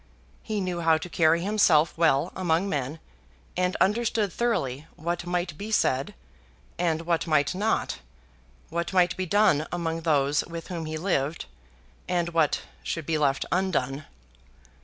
He knew how to carry himself well among men, and understood thoroughly what might be said, and what might not; what might be done among those with whom he lived, and what should be left undone.